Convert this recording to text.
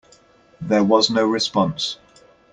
There was no response.